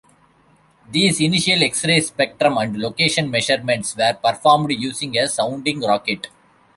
These initial X-ray spectrum and location measurements were performed using a sounding rocket.